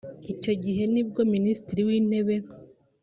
Icyo gihe ni bwo Minisitiri w’Intebe